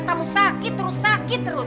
kamu sakit terus sakit terus